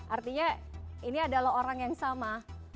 artinya ini adalah orang yang sama